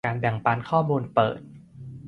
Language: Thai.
การแบ่งปันข้อมูลเปิด